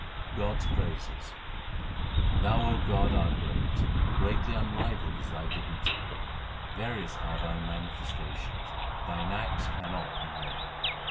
God s praises : Thou, O God, art great ; greatly unrivalled is Thy dignity ; Various are Thy manifestations ; Thine acts cannot be known.